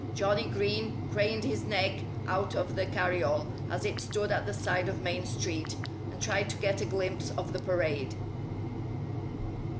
Johnnie Green craned his neck out of the carryall, as it stood at the side of Main Street, and tried to get a glimpse of the parade.